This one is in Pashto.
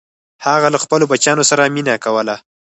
هغه له خپلو بچیانو سره مینه کوله.